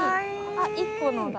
あっ１個のだ。